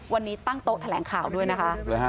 วันนี้ตั้งโต๊ะแถลงข่าวด้วยนะคะ